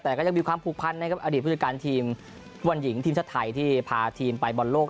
แต่ก็ยังมีความผูกพันนะครับอดีตผู้จัดการทีมฟุตบอลหญิงทีมชาติไทยที่พาทีมไปบอลโลก